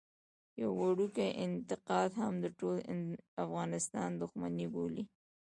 يو وړوکی انتقاد هم د ټول افغانستان دښمني بولي.